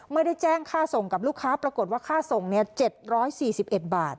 เมื่อได้แจ้งค่าส่งกับลูกค้าปรากฏว่าค่าส่งเนี่ยเจ็ดร้อยสี่สิบเอ็ดบาท